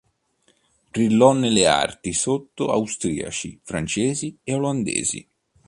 Brillò nelle arti sotto austriaci, francesi e olandesi.